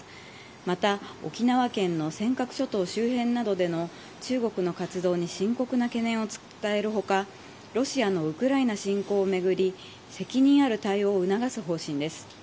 また沖縄県の尖閣諸島周辺などでの中国の活動に深刻な懸念を伝える他ロシアのウクライナ侵攻をめぐり責任ある対応を促す方針です。